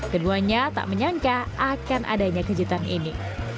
keduanya tak menyangka akan adanya kejutan ini